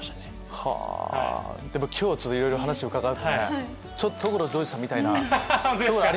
はぁ今日はちょっといろいろ話伺うとちょっと所ジョージさんみたいな。